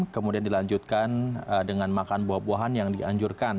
kemudian dilanjutkan dengan makan buah buahan yang dianjurkan